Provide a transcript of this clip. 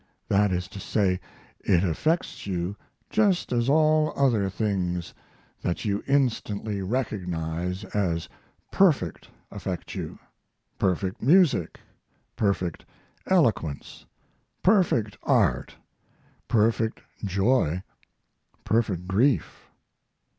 That is to say, it affects you just as all other things that you instantly recognize as perfect affect you perfect music, perfect eloquence, perfect art, perfect joy, perfect grief.